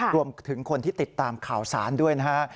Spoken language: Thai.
รวมถึงคนที่ติดตามข่าวสารด้วยนะฮะ